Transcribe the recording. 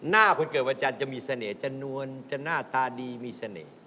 คนเกิดวันจันทร์จะมีเสน่ห์จะนวลจะหน้าตาดีมีเสน่ห์